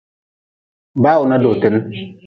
Bawuna dootin.